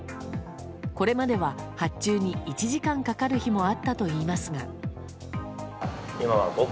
これまでは発注に１時間かかる日もあったといいますが。